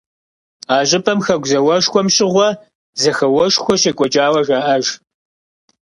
А щӏыпӏэм Хэку зауэшхуэм щыгъуэ зэхэуэшхуэ щекӏуэкӏауэ жаӏэж.